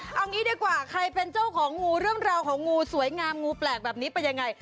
เอางี้ดีกว่าใครเป็นเจ้าของงูเรื่องราวของงูสวยงามงูแปลกแบบนี้เป็นยังไง